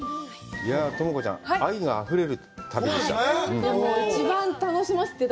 友香ちゃん、愛があふれる旅でした。